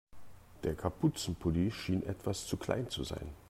Der Kapuzenpulli schien etwas zu klein zu sein.